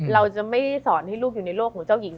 เราจะไม่สอนให้ลูกอยู่ในโลกของเจ้าหญิง